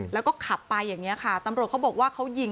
แล้วก็ขับไปอย่างนี้ค่ะตำรวจเขาบอกว่าเขายิง